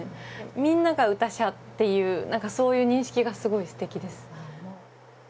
みんなが唄者っていうそういう認識がすごい素敵です